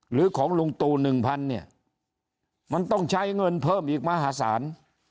หรือของลุงตู่๑๐๐เนี่ยมันต้องใช้เงินเพิ่มอีกมหาศาล